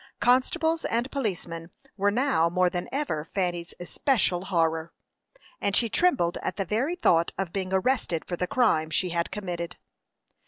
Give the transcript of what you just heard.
Constables and policemen were now more than ever Fanny's especial horror, and she trembled at the very thought of being arrested for the crime she had committed.